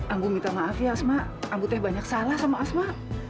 ambu minta maaf ya asma ambu teh banyak salah sama asma